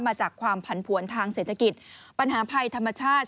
มาจากความผันผวนทางเศรษฐกิจปัญหาภัยธรรมชาติ